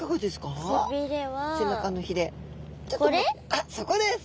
あっそこです！